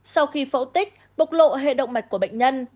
sau khi phẫu tích bộc lộ hệ động mạch của bệnh nhân